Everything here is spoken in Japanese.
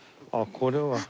あっこれは。